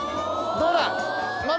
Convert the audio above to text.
どうだ？